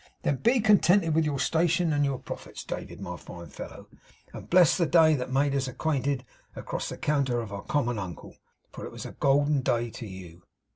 'Then be contented with your station and your profits, David, my fine fellow, and bless the day that made us acquainted across the counter of our common uncle, for it was a golden day to you.